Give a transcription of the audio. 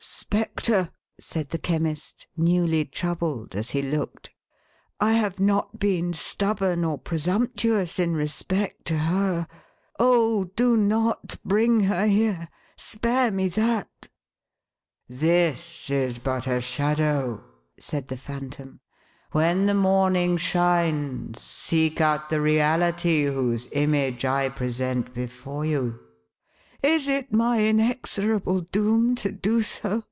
" Spectre !" said the Chemist, newly troubled as he looked, " I have not been stubborn or presumptuous in respect to her. Oh, do not bring her here. Spare me that !"" This is but a shadow," said the Phantom ;" when the morning shines seek out the reality whose image I present before you." "Is it my inexorable doom to do so?"